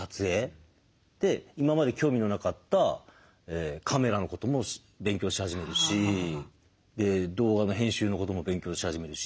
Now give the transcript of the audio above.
で今まで興味のなかったカメラのことも勉強し始めるし動画の編集のことも勉強し始めるし。